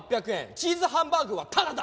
チーズハンバーグはタダだ！